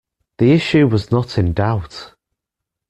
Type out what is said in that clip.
The issue was not in doubt.